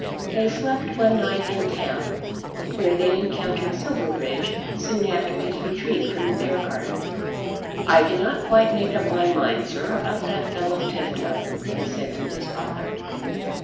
They slept one night in town, where they encountered Silverbridge soon after his retreat from the Beargarden. "I cannot quite make up my mind, sir, about that fellow Tifto," he said to his father.